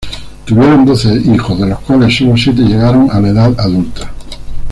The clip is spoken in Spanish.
Tuvieron doce hijos, de los cuales sólo siete llegaron a la edad adulta.